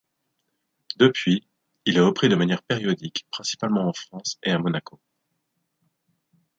Depuis, il est repris de manière périodique, principalement en France et à Monaco.